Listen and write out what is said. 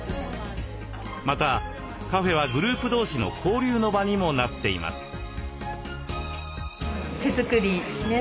またカフェはグループ同士の交流の場にもなっています。